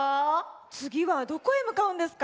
つぎはどこへむかうんですか？